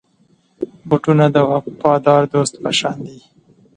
بوټونه د وفادار دوست په شان دي.